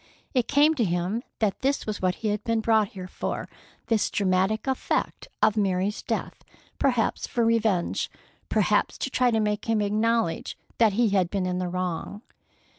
It came to him that this was what he had been brought here for, this dramatic effect of Mary's death, perhaps for revenge, perhaps to try to make him acknowledge that he had been in the wrong.